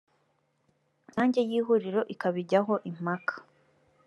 rusange y ihuriro ikabijyaho impaka